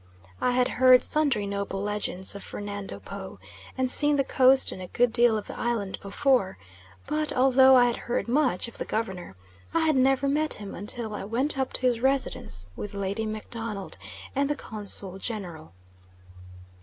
I had heard sundry noble legends of Fernando Po, and seen the coast and a good deal of the island before, but although I had heard much of the Governor, I had never met him until I went up to his residence with Lady MacDonald and the Consul General.